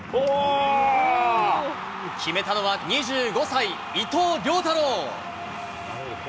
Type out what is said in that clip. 決めたのは２５歳、伊藤涼太郎。